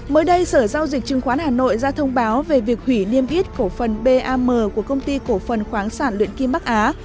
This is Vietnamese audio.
mới đây sở giao dịch chứng khoán hà nội ra thông báo về việc hủy niêm yết cổ phần bam của công ty cổ phần khoáng sản luyện kim bắc á